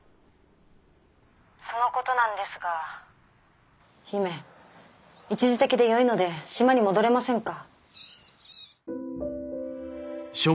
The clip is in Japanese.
そのことなんですが姫一時的でよいので島に戻れませんか？